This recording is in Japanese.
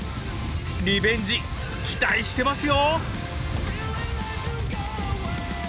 リベンジ期待してますよ！